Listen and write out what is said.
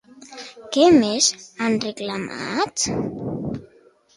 Què més han reclamat?